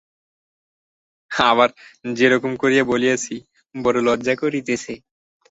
আবার, যে রকম করিয়া বলিয়াছি, বড়ো লজ্জা করিতেছে।